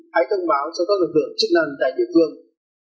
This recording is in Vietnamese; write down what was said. hãy thông báo cho các lực lượng chức năng tại địa phương